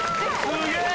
すげえ！